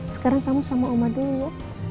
sekarang kamu sama oma dulu ya